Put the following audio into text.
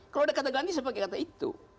kalau ada kata ganti saya pakai kata itu